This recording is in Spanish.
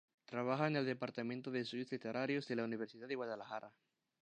Trabaja en el Departamento de Estudios Literarios de la Universidad de Guadalajara.